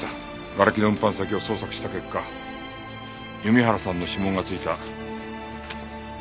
瓦礫の運搬先を捜索した結果弓原さんの指紋がついた注射器が見つかりました。